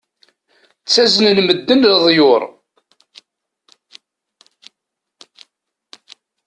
Ttaznen medden leḍyur.